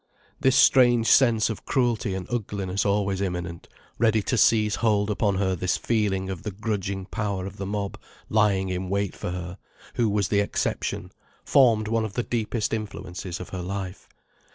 This strange sense of cruelty and ugliness always imminent, ready to seize hold upon her this feeling of the grudging power of the mob lying in wait for her, who was the exception, formed one of the deepest influences of her life.